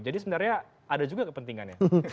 jadi sebenarnya ada juga kepentingannya